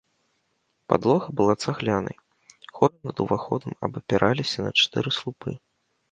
Падлога была цаглянай, хоры над уваходам абапіраліся на чатыры слупы.